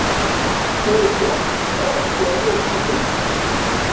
Urgaɣ sɛiɣ dderya yid-m.